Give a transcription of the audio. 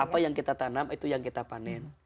apa yang kita tanam itu yang kita panen